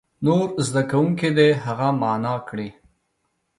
نور زده کوونکي دې هغه معنا کړي.